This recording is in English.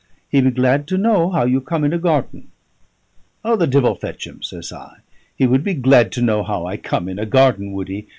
"He be glad to know how you come in a garden." "O! the divil fetch him," says I. "He would be glad to know how I come in a garden, would he?